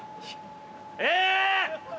え！